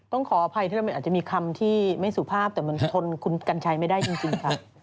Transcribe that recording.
ขออภัยที่มันอาจจะมีคำที่ไม่สุภาพแต่มันทนคุณกัญชัยไม่ได้จริงค่ะ